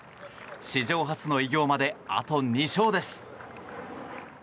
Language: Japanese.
史上初の偉業まであと２勝です。